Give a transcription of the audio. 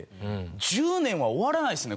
１０年は終わらないですね